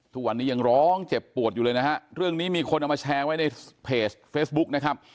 ทุกวันนี้ยังร้องเจ็บปวดอยู่เลยนะฮะเรื่องนี้มีคนเอามาแชร์ไว้ในเพจเฟซบุ๊กนะครับ